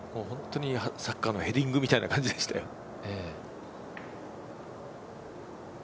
本当に、サッカーのヘディングみたいな感じでしたよ。